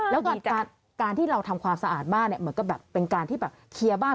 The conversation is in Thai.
แล้วการที่เราทำความสะอาดบ้านเนี่ยเหมือนกับแบบเป็นการที่แบบเคลียร์บ้าน